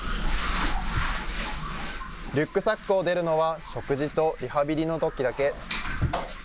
リュックサックを出るのは、食事とリハビリのときだけ。